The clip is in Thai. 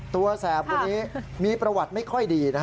แสบคนนี้มีประวัติไม่ค่อยดี